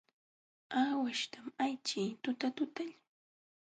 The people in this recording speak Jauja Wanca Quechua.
Aawaśhtam ayćhin tutatutalla.